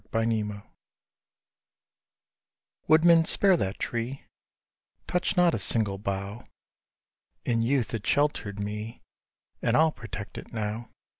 [See Notes] Woodman, spare that tree! Touch not a single bough! In youth it sheltered me, And I'll protect it now.